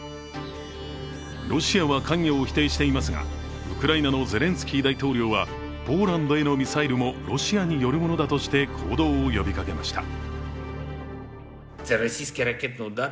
ロシアは関与を否定していますが、ウクライナのゼレンスキー大統領は、ポーランドへのミサイルもロシアによるものだとして行動を呼びかけました。